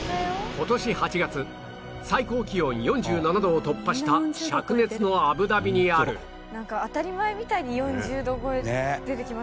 今年８月最高気温４７度を突破した灼熱のアブダビにあるなんか当たり前みたいに４０度超え出てきますね。